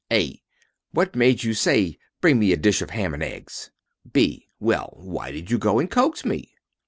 A What made you say, "Bring me a dish of ham and eggs?" B Well, why did you go and coax me?